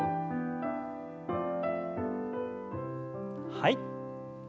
はい。